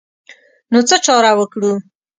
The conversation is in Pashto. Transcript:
نو څه چاره وکړو.